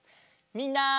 みんな！